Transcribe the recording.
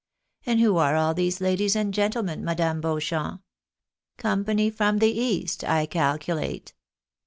And who are all these ladies and gentlemen, Madame Beauchamp? Company from the east I calculate."